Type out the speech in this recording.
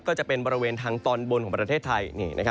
ก็จะเป็นบริเวณทางตอนบนของประเทศไทย